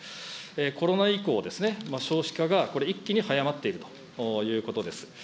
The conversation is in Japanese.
コロナ以降、少子化が一気に早まっているということです。